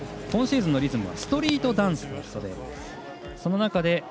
今シーズンのリズムはストリートダンスだそうで。